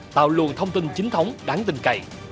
tạo luồn thông tin chính thống đáng tin cậy